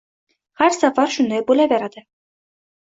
Har safar shunday bo’laverdi.